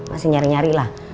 masih nyari nyari lah